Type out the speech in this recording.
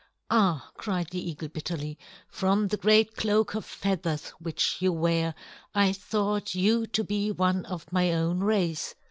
"Ah!" cried the eagle bitterly, "from the great cloak of feathers which you wear, I thought you to be one of my own race.